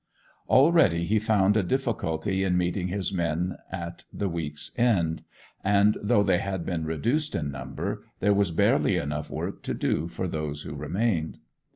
Already he found a difficulty in meeting his men at the week's end, and though they had been reduced in number there was barely enough work to do for those who remained.